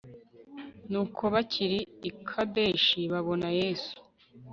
nuko bakiri i kadeshi babona yesu